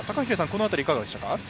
この辺りいかがですか？